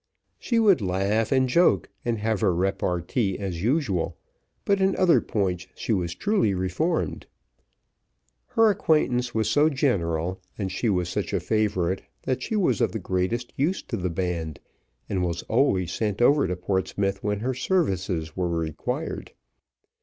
She would laugh, and joke, and have her repartee as usual, but in other points she was truly reformed. Her acquaintance was so general, and she was such a favourite, that she was of the greatest use to the band, and was always sent over to Portsmouth when her services were required.